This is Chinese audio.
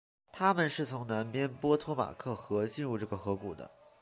他们是从南边波托马克河进入这个河谷的。